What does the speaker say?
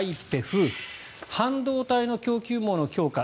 ＩＰＥＦ半導体の供給網の強化